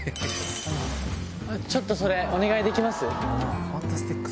ちょっとそれお願いできます？